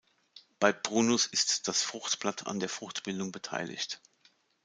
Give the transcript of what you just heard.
Bei "Prunus" ist das Fruchtblatt an der Fruchtbildung beteiligt.